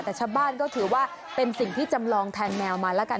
แต่ชาวบ้านก็ถือว่าเป็นสิ่งที่จำลองแทนแมวมาแล้วกัน